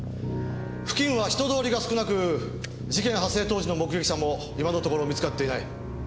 付近は人通りが少なく事件発生当時の目撃者も今のところ見つかっていない。